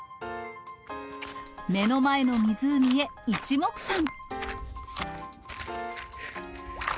目の前の湖へいちもくさん。